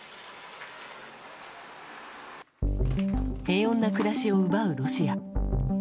平穏な暮らしを奪うロシア。